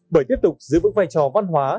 bởi tiếp tục giữ vững vai trò văn hóa